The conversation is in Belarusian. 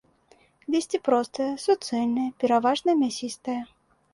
Лісце простае, суцэльнае, пераважна мясістае.